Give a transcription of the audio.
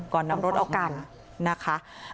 ก่อนนำรถเอากันนะคะ